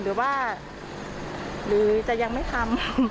หรือว่าหรือจะยังไม่ทำ